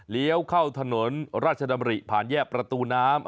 เข้าถนนราชดำริผ่านแยกประตูน้ำ